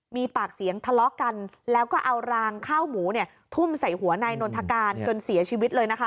มีปากเสียงทะเลาะกันแล้วก็เอารางข้าวหมูเนี่ยทุ่มใส่หัวนายนนทการจนเสียชีวิตเลยนะคะ